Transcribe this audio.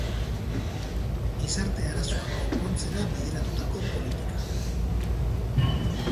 Gizarte arazoak konpontzera bideratutako politika.